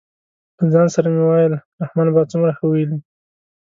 له ځان سره مې ویل رحمان بابا څومره ښه ویلي.